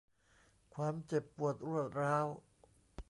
ความเจ็บปวดรวดร้าว